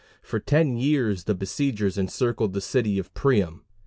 For ten years the besiegers encircled the city of Priam.